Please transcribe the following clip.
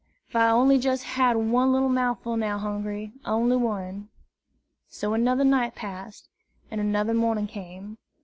"Ef I on'y jes' had one little mouthful now, Hungry! on'y one!" So another night passed, and another morning came.